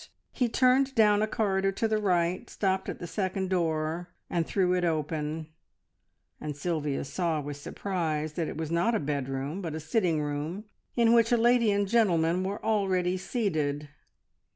He turned down a corridor to the right, stopped at the second door, and threw it open, and Sylvia saw with surprise that it was not a bedroom, but a sitting room, in which a lady and a gentleman were already seated.